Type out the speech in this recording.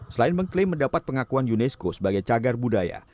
selain mengklaim mendapat pengakuan unesco sebagai cagar budaya